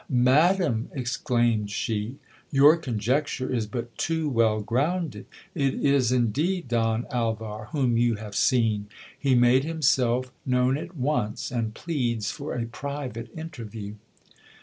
Madam, ex claimed she, your conjecture is but too well grounded ; it is indeed Don Alvar GIL BLAS. whom you have seen ; he made himself known at once, and pleads for a private interview.